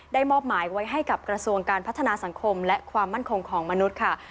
มอบหมายไว้ให้กับกระทรวงการพัฒนาสังคมและความมั่นคงของมนุษย์ค่ะ